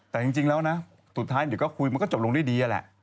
แต่จริงแล้วนะสุดท้ายเดี๋ยวก็คุยก็จะจบลงได้ดีอ่ะแหละ